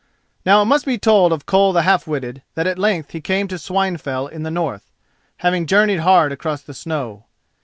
Now it must be told of Koll the Half witted that at length he came to Swinefell in the north, having journeyed hard across the snow.